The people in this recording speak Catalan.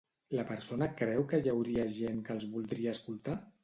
La persona creu que hi hauria gent que els voldria escoltar?